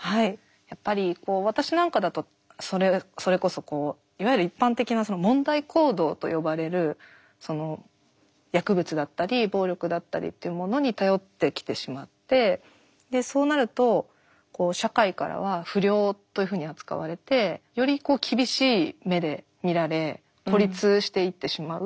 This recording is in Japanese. やっぱり私なんかだとそれこそいわゆる一般的な問題行動と呼ばれる薬物だったり暴力だったりっていうものに頼ってきてしまってそうなると社会からは不良というふうに扱われてより厳しい目で見られ孤立していってしまう。